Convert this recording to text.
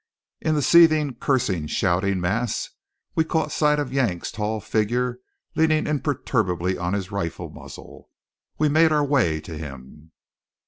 In the seething, cursing, shouting mass we caught sight of Yank's tall figure leaning imperturbably on his rifle muzzle. We made our way to him.